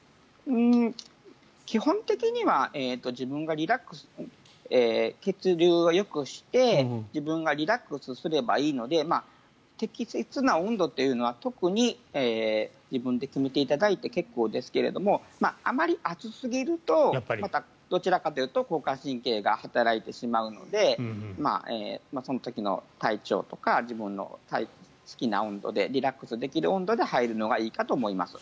基本的には血流をよくして自分がリラックスすればいいので適切な温度というのは特に自分で決めていただいて結構ですけれどもあまり熱すぎるとまた、どちらかというと交感神経が働いてしまうのでその時の体調とか自分の好きな温度でリラックスできる温度で入るのがいいかと思います。